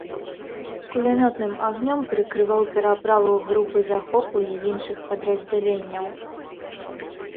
Кулямётным агнём прыкрываў пераправу групы захопу і іншых падраздзяленняў.